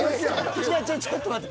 違うちょっと待って。